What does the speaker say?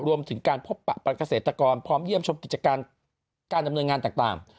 รวมถึงการพบปะเกษตรกรพร้อมเยี่ยมชมกิจการการดำเนินงานต่าง